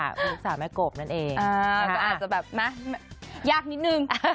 ก็อาจจะแบบมายากนิดนึง